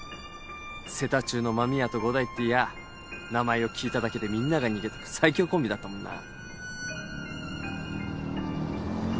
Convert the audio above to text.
瀬田中の真宮と伍代っていやぁ名前を聞いただけでみんなが逃げてく最強コンビだったもんな。